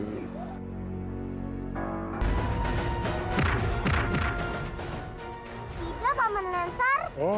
tidak pak manasar